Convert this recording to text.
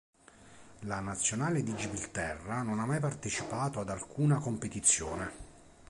La nazionale di Gibilterra non ha mai partecipato ad alcuna competizione.